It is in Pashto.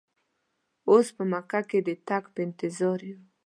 اوس په مکه کې د تګ په انتظار یو.